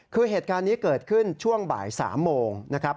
คือเหตุการณ์นี้เกิดขึ้นช่วงบ่าย๓โมงนะครับ